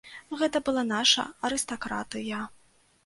Гэта была наша арыстакратыя.